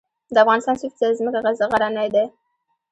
د افغانستان څو فیصده ځمکه غرنۍ ده؟